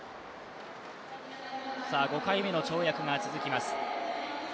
５回目の跳躍が続きます。